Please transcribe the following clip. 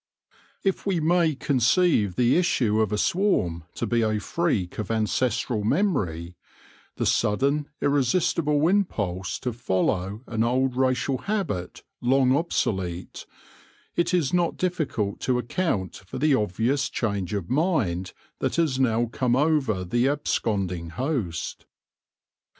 If we mry con ceive the issue of a swarm to be a freak of aicestral memory, the sudden irresistible impulse to /ollow an old racial habit, long obsolete, it is not dmcult to account for the obvious change of mind that has now come over the absconding host.